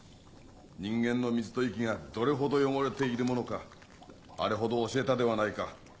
人間の水と息がどれほど汚れているものかあれほど教えたではないか。